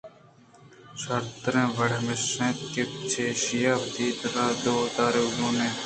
شرتریں وڑ ہمیش اَت کہ چہ ایشاں وت ءَ را دور دارگ جوان اِنت